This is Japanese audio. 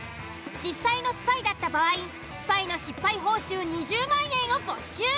実際のスパイだった場合スパイの失敗報酬２０万円を没収。